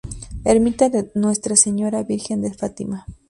Ermita de Nuestra Señora Virgen de Fátima.